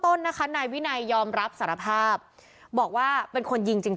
ต้นนะคะนายวินัยยอมรับสารภาพบอกว่าเป็นคนยิงจริง